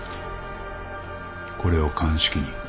これを鑑識に。